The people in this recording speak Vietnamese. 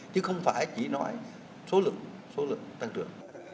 chứ không phải chỉ nói số lượng tăng trưởng